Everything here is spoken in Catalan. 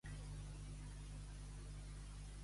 Riure pels seus dintres.